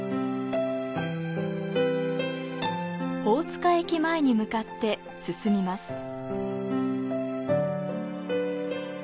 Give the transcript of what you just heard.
大塚駅前に向かって進みます。